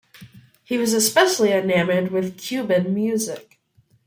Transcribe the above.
He was especially enamored with Cuban music.